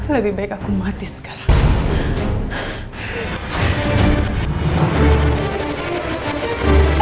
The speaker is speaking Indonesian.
lebih baik aku hidup rik